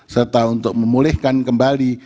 serta untuk memulihkan kembali